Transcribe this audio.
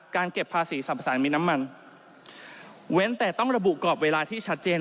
เก็บภาษีสรรพสารมีน้ำมันเว้นแต่ต้องระบุกรอบเวลาที่ชัดเจน